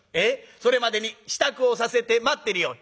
それまでに支度をさせて待ってるように」。